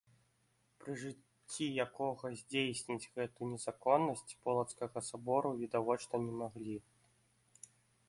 Пры жыцці якога здзейсніць гэту незаконнасць полацкага сабору відавочна не маглі.